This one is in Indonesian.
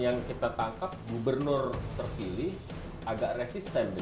yang kita tangkap gubernur terpilih agak resisten